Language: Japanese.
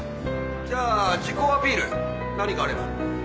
じゃあ自己アピール何かあれば。